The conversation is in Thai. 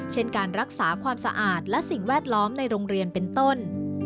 เช่นการรักษาความสะอาดและสิ่งแวดล้อมในโรงเรียนเป็นต้น